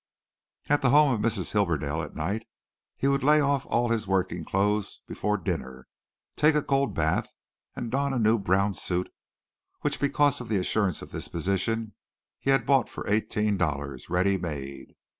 At the home of Mrs. Hibberdell at night he would lay off all his working clothes before dinner, take a cold bath and don a new brown suit, which because of the assurance of this position he had bought for eighteen dollars, ready made.